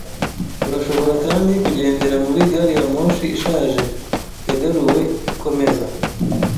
Urashobora kandi kugendera muri gari ya moshi ishaje, yagaruwe, ikomeza.